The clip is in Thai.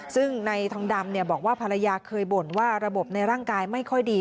ซึ่งในทองดำบอกว่าภรรยาเคยบ่นว่าระบบในร่างกายไม่ค่อยดี